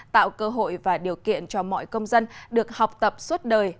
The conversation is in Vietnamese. tạo cơ hội và điều kiện cho mọi công dân được học tập suốt đời